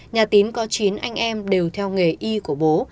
nhà tín có chín anh em đều theo nghề y của bố